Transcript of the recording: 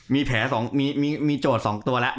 มีแผลมีโจทย์๒ตัวแล้ว